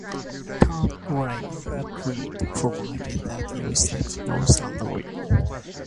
Cowdray agreed, provided that he receive no salary.